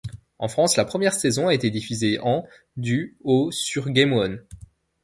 En France, la première saison a été diffusée en du au sur Game One.